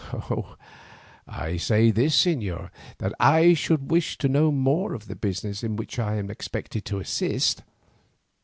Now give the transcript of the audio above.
"I say this, señor, that I should wish to know more of the business in which I am expected to assist.